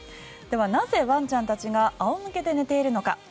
では、なぜワンちゃんたちが仰向けで寝ているのか。